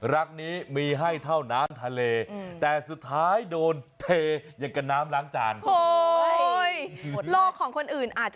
รักนี้มีให้เท่าน้ำทะเลแต่สุดท้ายโดนเทอย่างกับน้ำล้างจาน